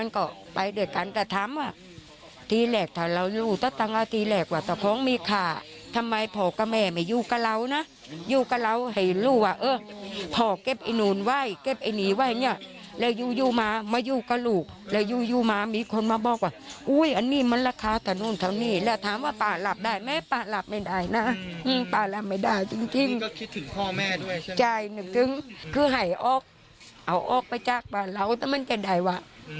คือให้ออกเอาออกไปจากบ้านเราแต่มันจะได้วะ